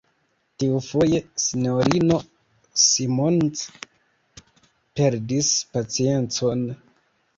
Tiufoje, S-ino Simons perdis paciencon.